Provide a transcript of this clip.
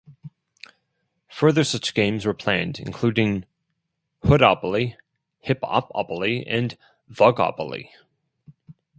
Further such games were planned, including "Hoodopoly", "Hiphopopoly", and "Thugopoly".